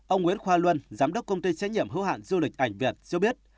ông nguyễn khoa luân giám đốc công ty trách nhiệm hữu hạn du lịch ảnh việt cho biết